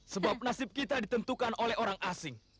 sebab nasib kita ditentukan oleh orang asing